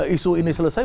isu ini selesai